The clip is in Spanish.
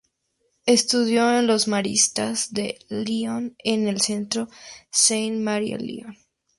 Estudió en los Maristas de Lyon en el centro Sainte-Marie Lyon.